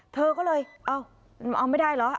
เธอก็เลยเอ้าเอาไม่ได้เหรอ